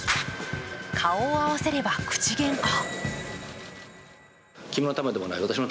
顔を合わせれば口げんか。